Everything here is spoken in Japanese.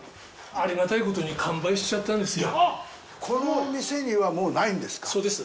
ありがたいことに完売しちゃったんですよ。